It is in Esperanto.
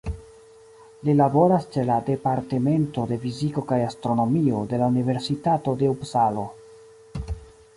Li laboras ĉe la Departemento de Fiziko kaj Astronomio de la Universitato de Upsalo.